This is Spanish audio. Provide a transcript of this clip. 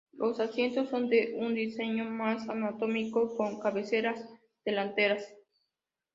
Los asientos son de un diseño más anatómico con cabeceras delanteras.